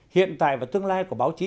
hiện tại và tương lai của báo chí